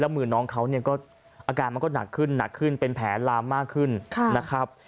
มือน้องเขาเนี่ยก็อาการมันก็หนักขึ้นหนักขึ้นเป็นแผลลามมากขึ้นนะครับ